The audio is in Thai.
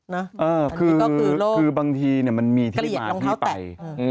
นี่ก็คือโรคกระเหียดรองเท้าแตะบางทีมันมีที่มาที่ไป